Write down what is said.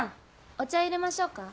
お茶いれましょうか？